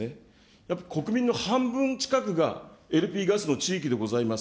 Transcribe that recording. やっぱ国民の半分近くがＬＰガスの地域でございます。